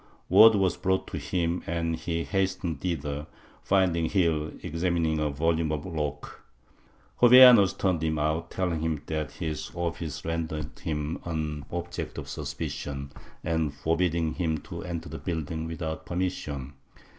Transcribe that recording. Word was brought to him and he hastened thither, finding Gil examining a volume of Locke. Jovellanos turned him out, telling him that his office rendered him an object of suspicion and forbidding him to enter the building without permission.